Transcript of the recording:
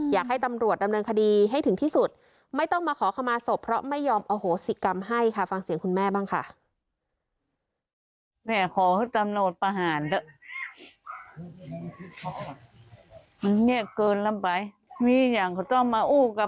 อยากให้ตำรวจดำเนินคดีให้ถึงที่สุดไม่ต้องมาขอขมาศพเพราะไม่ยอมอโหสิกรรมให้ค่ะฟังเสียงคุณแม่บ้างค่ะ